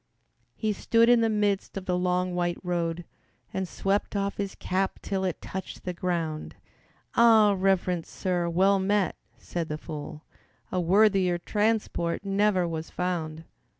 He stood in the midst of the long, white road And swept off his cap till it touched the ground. "Ah, Reverent Sir, well met," said the fool, "A worthier transport never was found.